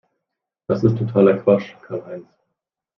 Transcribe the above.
Das ist totaler Quatsch, Karlheinz!